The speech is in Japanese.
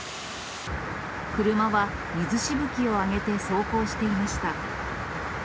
車は水しぶきを上げて走行していました。